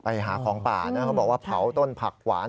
ไปหาของป่านะเขาบอกว่าเผาต้นผักหวาน